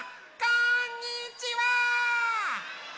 こんにちは！